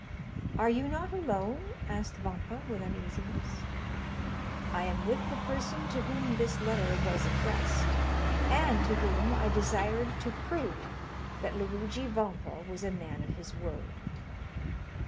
"Are you not alone?" asked Vampa with uneasiness. "I am with the person to whom this letter was addressed, and to whom I desired to prove that Luigi Vampa was a man of his word.